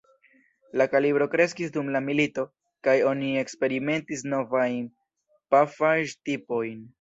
La kalibro kreskis dum la milito kaj oni eksperimentis novajn pafaĵ-tipojn.